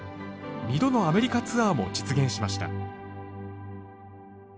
２度のアメリカツアーも実現しました。